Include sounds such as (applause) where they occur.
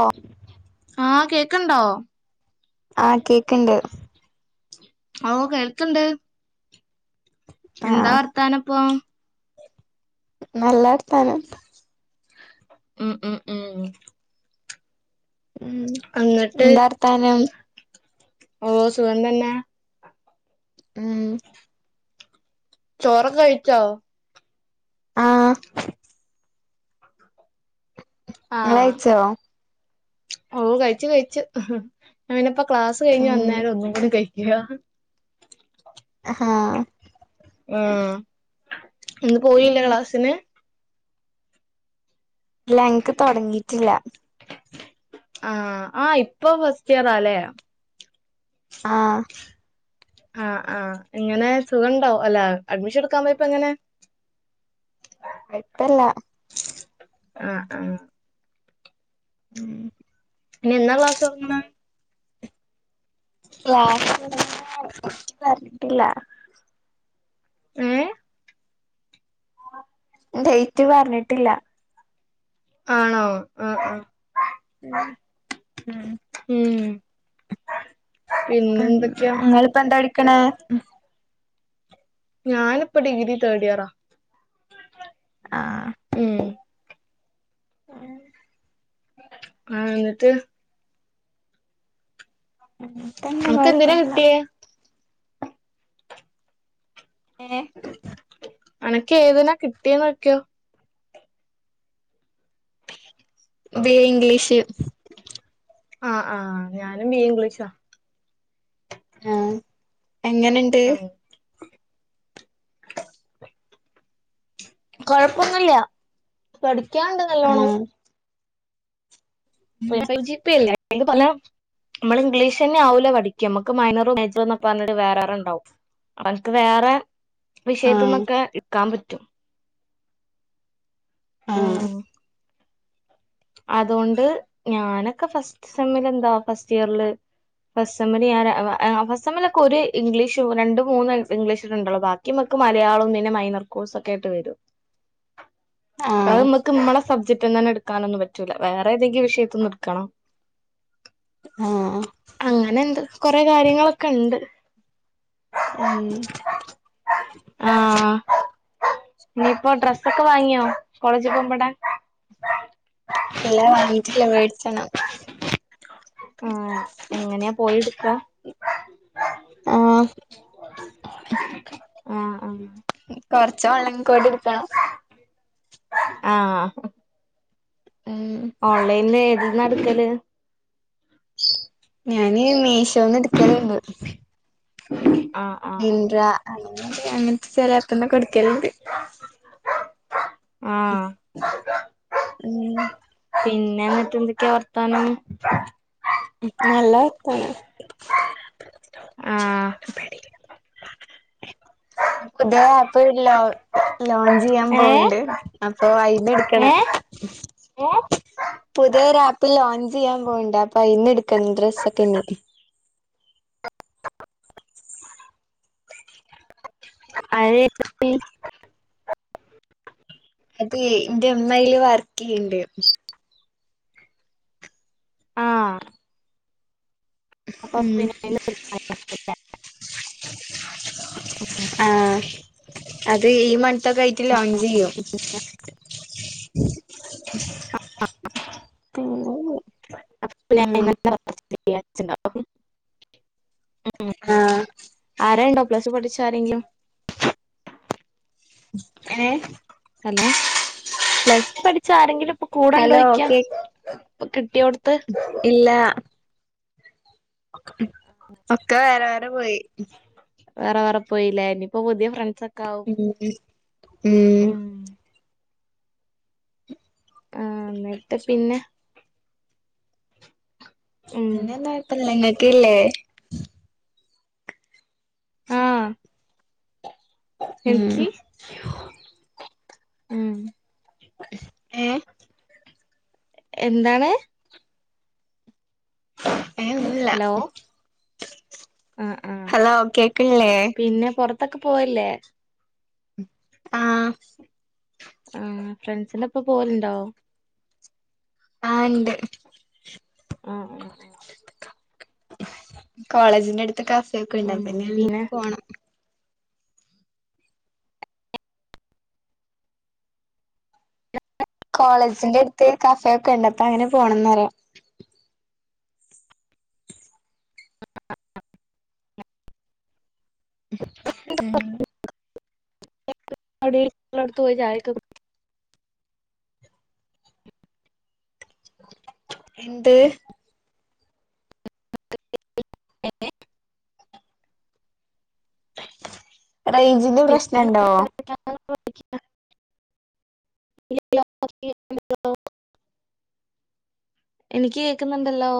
ഓ ആഹ കേക്ണ്ടോ ആ കേക്ണ്ട് ഓ കേൾക്ണ്ട് എന്താ ആഹ് വർത്താനപ്പൊ നല്ലവർത്താനം മ് മ് മ് മ് ഉം എന്നിട്ട് എന്താ വർത്താനം ഓ സുഖം തന്നെ ഉം ചോറ് കഴിച്ചോ ആഹ് (unintelligible) ആഹ ഇങ്ങളയ്ച്ചോ ഓ കഴിച്ചു കഴിച്ചു അവനിപ്പ ക്ലാസ് കഴിഞ്ഞ് ഉം വന്നേരം ഒന്നുകൂടി കഴിക്കുക ആഹ ആ ഇന്ന് പോയില്ല ഉം ക്ലാസിന് ഇല്ല എനിക്ക് തുടങ്ങിയിട്ടില്ല ആഹ് ആഹ് ഇപ്പൊ ഫസ്റ്റ് ഇയറാല്ലേ ആഹ ആഹ ആഹ ഇങ്ങനെ സുഖ ഉണ്ടോ അല്ല അഡ്മിഷൻ എടുക്കാൻ പോയപ്പോ എങ്ങനെ കുഴപ്പല്ല ആഹ ആഹ ഉം ഇനി എന്നാ ക്ലാസ് തുടങ്ങണേ (inaudible) ക്ലാസ് പറഞ്ഞിട്ടില്ല ഏഹ ഡേറ്റ് പറഞ്ഞിട്ടില്ല ആണോ ആഹ് ആഹ് ഉം ഉം ഉം പിന്നെ ഉം എന്തൊക്കെയാ നിങ്ങളിപ്പ എന്താ പടിക്കണേ ഞാനിപ്പ ഡിഗ്രി തേഡ് ഇയറാ ആഹ് ഉം (unintelligible) ആഹ് എന്നിട്ട് അങ്ങൻത്തെന്നെ അനക്ക് എന്തിനാ കൊഴപ്പല്ല കിട്ടിയേ ഏഹ് അനക്ക് ഏതിനാ കിട്ടിയെ നോക്കിയോ ബിയെ ഇംഗ്ലീഷ് ആഹ് ആഹ് ഞാനും ബീയെ ഇംഗ്ലീഷാ ആഹ് എങ്ങനുണ്ട് ഉം (unintelligible) കൊഴപ്പൊന്നുമില്ല പഠിക്കാണ്ട് നല്ലോണ്ണം ആഹ് (unintelligible) നമ്മള് ഇംഗ്ലീഷ് തന്നെ ആവൂല പഠിക്കാ നമുക്ക് മൈനറോ (unintelligible) പറഞ്ഞിട്ട് വേറെ ആറെ ഉണ്ടാവും അവനക്ക് വേറെ ആഹ് വിഷയത്തുമക്കെ എടുക്കാൻ പറ്റും ആഹ് അതുകൊണ്ട് ഞാനൊക്കെ ഫസ്റ്റ് സെമ്മില് എന്താ ഫസ്റ്റ് ഇയറില് ഫസ്റ്റ് സെമ്മില് ഞാന് ഫസ്റ്റ് സെമ്മിലൊക്കെ ഒരു ഇംഗ്ലീഷ് രണ്ടു മൂന്ന് ഇംഗ്ലീഷ് ഉണ്ടോ ഭാ മക്ക് മലയാളം പിന്നെ മൈനർ കോഴ്സ് ഒക്കെ ആയിട്ട് വരും (inaudible) ആഹ് അത് നമക്ക് നമ്മടെ സബ്ജെക്ട് തന്നെ എടുക്കാനൊന്നും പറ്റില്ല റ്റൂല വേറെ ഏതെങ്കിലും വിഷയത്തിന്നുടുക്കണം ആഹ് ആഹ് അങ്ങനെ എന്ത് കൊറെ കാര്യങ്ങളൊക്കെ ഉണ്ട് ആഹ് ഇനിയിപ്പോ ഡ്രസ്സ് ഒക്കെ വാങ്ങിയോ കോളേജിൽ പോകുമ്പോടാൻ ഇല്ലാ വാങ്ങിട്ടില്ലേ വേടിച്ചണം ആഹ് എങ്ങനെയാ പോയി എടുക്ക ആഹ് ആഹ് കൊറച്ച് ഓൺലൈൻ കൂടി എടുക്കണം ആഹ് ഉം ഓൺലൈനില് ഏതുന്ന ഇടുക്കല്? ഞാന് മീശോന്ന് എടുക്കല്ണ്ട്. ആഹ് ആഹ് ആഹ് മിണ്ട്രാ അങ്ങനെ ഒക്കെ അങ്ങനത്തെ ചെലോട്ത്ത്ന്നൊക്കെ ഇട്ക്കലുണ്ട്. ആഹ് ഉം പിന്നെ എന്നിട്ട് എന്തൊക്കെയാ വർത്താനം? നല്ല ഇത്താണ്. ആഹ് പുതിയ ആപ്പില്ലോ ലോഞ്ച് ചെയ്യാൻ ഏ പോണിണ്ട് അപ്പൊ അതിന്റെ ഏ എടുക്കണം. പുതിയൊരാപ്പ് ലോഞ്ച് ചെയ്യാൻ പോണിണ്ട്. അപ്പൊ അയിന്ന് എടുക്കണം ഡ്രസ്സൊക്കെ ഇനി അയി പ്പൊപ്പി അത് ന്റെമ്മയില് വർക്ക് ചെയ്യണ്ട്. ആഹ് അപ്പൊ ഉം പിന്നെ ആ അതെ ഈ മൺത്തൊക്കെ ആയിട്ട് ലോഞ്ച് ചെയ്യും. ഉം പിന്നെ ല്ലേ അപ് ലോഞ്ച് ഇയ്യാഴ്ച ണ്ടാവും ഉം ആരാണ്ടോ പ്ലസ്സ് പഠിച്ച ആരെങ്കിലും ഏഹ് ഹലോ പ്ലസ് പഠിച്ച ആരെങ്കിലും ഇപ്പൊ ഹലോ ഓക്കെ കൂടെണ്ടോയ്ക്കഇപ്പൊ കിട്ടിയോട് ഇല്ല ഒക്കെ വേറെ വേറെ പോയി. വേറെ വേറെ പോയില്ലെ ഇനിയിപ്പോ പുതിയ ഫ്രണ്ട്സ് ഒക്കെ ആവും ഉം ഉം ആന്നിട്ട് പിന്നെ ഉം പിന്നെന്താ കുഴപ്പമില്ല ഇങ്ങക്കില്ലേ? ആഹ് ഉം എനിക്ക് ഉം ഏ എന്താണ്? ഏല്ല ഹലോ ആഹ് ആഹ് ഹലോ കേക്കണില്ലേ? പിന്നെ പുറ പൊറത്തൊക്കെ പോവല്ലേ? ആഹ് ആ ഫ്രണ്ട്സിന്റൊപ്പം പോവലുണ്ടോ? ആണ്ട് ആഹ് ആഹ് കോളേജിന്റെ അടുത്ത് കഫേ ഒക്കെ ഇണ്ട് ആഹ് അപ്പൊ ഉം പിന്നെ പോണം. കോളേജിന്റെ അടുത്ത് കഫയൊക്കെ ഉണ്ട് അപ്പൊ അങ്ങനെ പോകണംന്ന് പറയാ ഉം ള്ളോട്ത്തോയി ചായൊക്കെ കുട് എന്ത്? ഏ റൈഞ്ചിന്റെ പ്രശ്നണ്ടോ? (inaudible) (unintelligible) എനിക്ക് കേക്കുന്നുണ്ടല്ലോ?